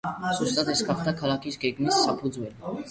ზუსტად ეს გახდა ქალაქის გეგმის საფუძველი.